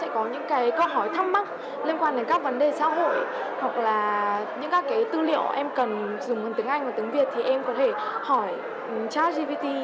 câu hỏi thắc mắc liên quan đến các vấn đề xã hội hoặc là những các tư liệu em cần dùng tiếng anh và tiếng việt thì em có thể hỏi chasgpt